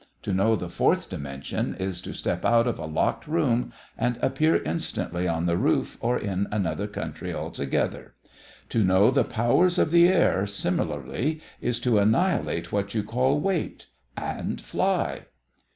To know the fourth dimension is to step out of a locked room and appear instantly on the roof or in another country altogether. To know the powers of the air, similarly, is to annihilate what you call weight and fly."